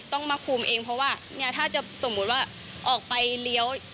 ต้องมาคุมเองเพราะว่าเนี่ยถ้าจะสมมุติว่าออกไปเลี้ยว